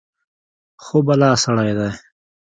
خو بلا سړى دى.